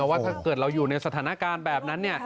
ว่าถ้าเกิดเราอยู่ในสถานการณ์แบบนั้น